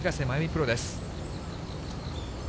プロです。